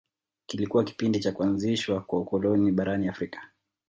Kilikuwa kipindi cha kuanzishwa kwa ukoloni barani Afrika